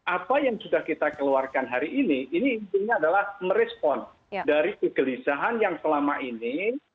apa yang sudah kita keluarkan hari ini ini intinya adalah merespon dari kegelisahan yang selama ini